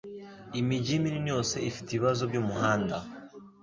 Imijyi minini yose ifite ibibazo byumuhanda